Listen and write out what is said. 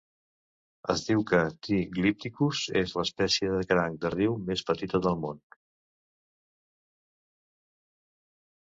Es diu que "T. glypticus" és l'espècie de cranc de riu més petita del món.